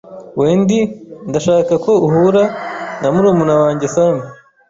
Wendy, ndashaka ko uhura na murumuna wanjye Sam.